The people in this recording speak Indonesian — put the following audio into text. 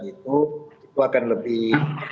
itu akan lebih